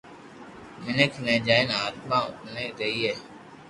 مينک ني جائي آتما اوبي رھئي